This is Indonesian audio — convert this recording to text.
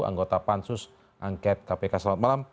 anggota pansus angket kpk selamat malam